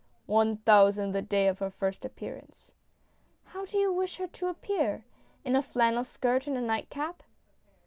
" One thousand the day of her first appearance !" "How do you wish her to appear — in a flannel skirt and a nightcap?"